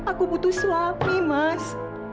aku butuh selapi mas